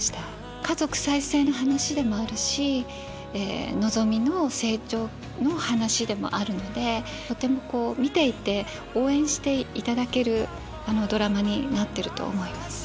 家族再生の話でもあるしのぞみの成長の話でもあるのでとてもこう見ていて応援していただけるドラマになってると思います。